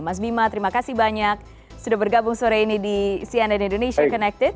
mas bima terima kasih banyak sudah bergabung sore ini di cnn indonesia connected